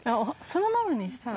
そのまま？